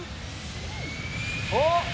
あっ！